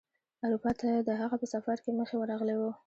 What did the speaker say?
اروپا ته د هغه په سفر کې مخې ورغلی و.